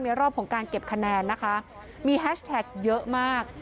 รอบของการเก็บคะแนนนะคะมีแฮชแท็กเยอะมาก